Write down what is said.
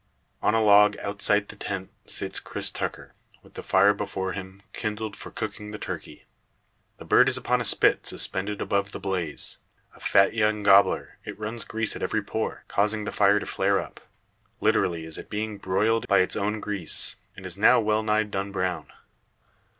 On a log outside the tent sits Cris Tucker, with the fire before him, kindled for cooking the turkey. The bird is upon a spit suspended above the blaze. A fat young "gobbler," it runs grease at every pore, causing the fire to flare up. Literally is it being broiled by its own grease, and is now well nigh done brown.